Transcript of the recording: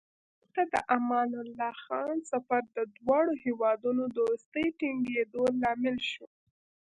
ایران ته د امان الله خان سفر د دواړو هېوادونو دوستۍ ټینګېدو لامل شو.